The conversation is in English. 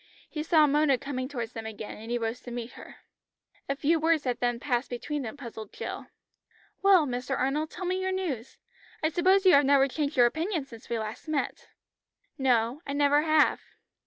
He saw Mona coming towards them again and he rose to meet her. A few words that then passed between them puzzled Jill. "Well, Mr. Arnold, tell me your news. I suppose you have never changed your opinion since we last met." "No, I never have."